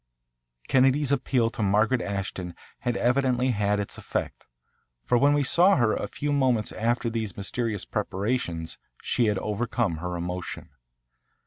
Kennedy's appeal to Margaret Ashton had evidently had its effect, for when we saw her a few moments after these mysterious preparations she had overcome her emotion.